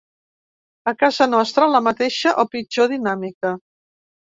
A casa nostra la mateixa o pitjor dinàmica.